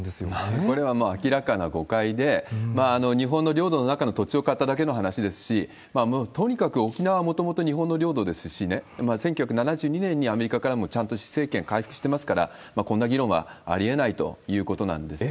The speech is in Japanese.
これはもう明らかな誤解で、日本の領土の中の土地を買っただけの話ですし、もうとにかく沖縄はもともと日本の領土ですしね、１９７２年にアメリカからもちゃんと施政権回復してますから、こんな議論はありえないということなんですね。